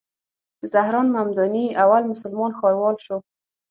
زهران ممداني اول مسلمان ښاروال شو.